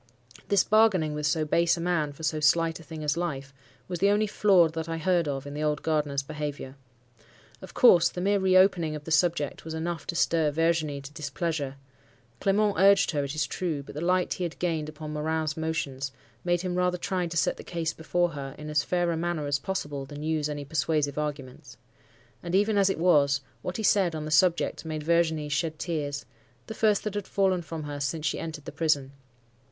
This bargaining with so base a man for so slight a thing as life, was the only flaw that I heard of in the old gardener's behaviour. Of course, the mere reopening of the subject was enough to stir Virginie to displeasure. Clement urged her, it is true; but the light he had gained upon Morin's motions, made him rather try to set the case before her in as fair a manner as possible than use any persuasive arguments. And, even as it was, what he said on the subject made Virginie shed tears—the first that had fallen from her since she entered the prison.